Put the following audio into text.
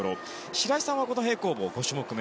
白井さんはこの平行棒、５種目め